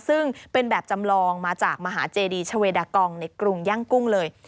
ซึ่งเป็นแบบจำลองมาจากมหาเจดีชาเวดากองในกรุงย่างกุ้งเลย